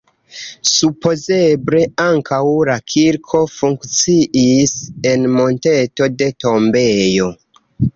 Supozeble ankaŭ la kirko funkciis en monteto de tombejo.